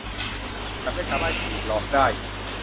ฉันไม่สามารถกรีดร้องได้